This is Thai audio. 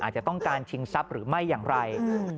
อาจจะต้องการชิงทรัพย์หรือไม่อย่างไร